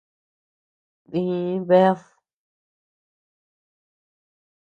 Dii bead.